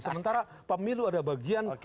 sementara pemilu ada bagian